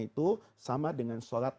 itu sama dengan sholat